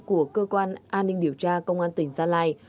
của cơ quan an ninh điều tra công an tỉnh gia lai